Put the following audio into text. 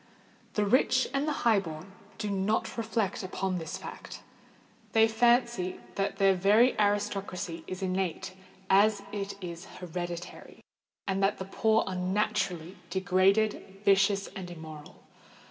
The rich and the high born do not reflect upon this fact:—they fancy that their very aristocracy is innate as it is hereditary, and that the poor are naturally degraded, vicious, and immoral.